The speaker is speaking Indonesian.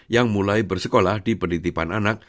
yang mulai bersekolah di penitipan anak